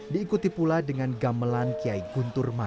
diikuti pula dengan gamelan kiai guntur mai